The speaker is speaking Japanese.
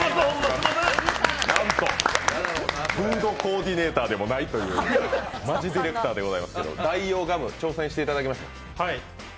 なんとフードコーディネーターでもないというマジディレクターですけど代用ガム、挑戦していただきました？